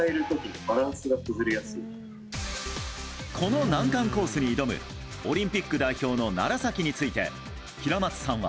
この難関コースに挑むオリンピック代表の楢崎について平松さんは。